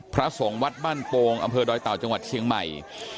พระสงฆ์วัดบ้านโปงอำเภอดอยเต่าจังหวัดเชียงใหม่